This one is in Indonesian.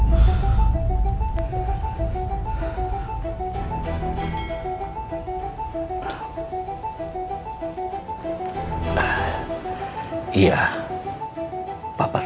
lalu kamu kembali din alive